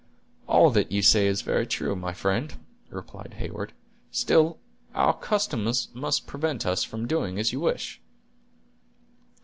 "All that you say is very true, my friend," replied Heyward; "still, our customs must prevent us from doing as you wish."